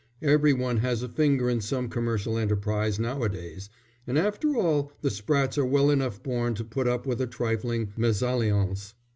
Every one has a finger in some commercial enterprise now a days, and after all the Sprattes are well enough born to put up with a trifling mésalliance.